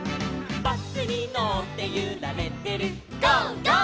「バスにのってゆられてる「ゴー！ゴー！」